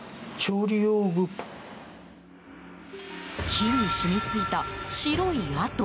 木に染みついた白い跡。